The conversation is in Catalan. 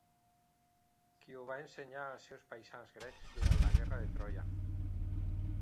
Qui ho va ensenyar als seus paisans grecs durant la guerra de Troia.